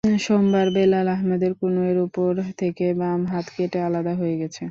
সোমবার বেলাল আহমদের কনুইর ওপর থেকে বাম হাত কেটে আলাদা হয়ে গেছে।